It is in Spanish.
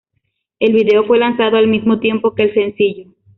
El video fue lanzado al mismo tiempo que el sencillo.